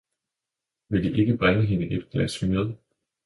Vil I ikke bringe hende et glas mjød.